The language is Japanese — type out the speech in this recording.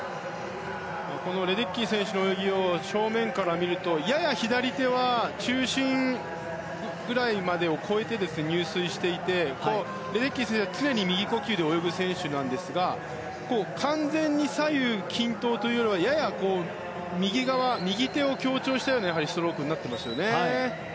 このレデッキー選手の泳ぎを正面から見るとやや左手は中心ぐらいまでを越えて入水していてレデッキー選手は常に右呼吸で泳ぐ選手なんですが完全に左右均等というよりはやや右側右手を強調したようなストロークになっていますよね。